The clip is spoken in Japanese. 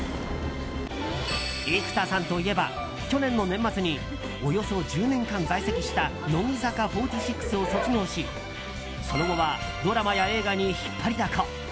生田さんといえば去年の年末におよそ１０年間在籍した乃木坂４６を卒業しその後はドラマや映画に引っ張りだこ。